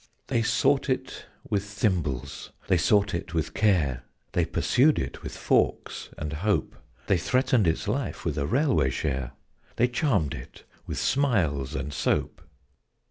_ They sought it with thimbles, they sought it with care; They pursued it with forks and hope; They threatened its life with a railway share; They charmed it with smiles and soap.